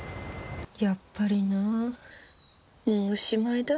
やっぱりなもうおしまいだ。